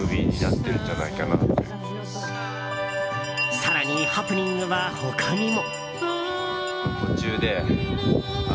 更に、ハプニングは他にも。